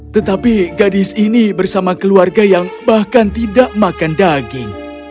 tetapi gadis ini bersama keluarga yang bahkan tidak makan daging